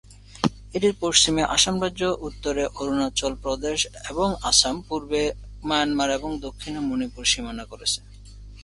এটির পশ্চিমে আসাম রাজ্য, উত্তরে অরুণাচল প্রদেশ এবং আসাম, পূর্বে মায়ানমার এবং দক্ষিণে মণিপুর সীমানা করেছে।